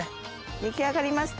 出来上がりました。